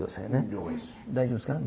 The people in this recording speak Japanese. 大丈夫ですか？